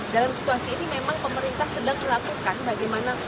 dalam situasi ini memang pemerintah sedang melakukan bagaimana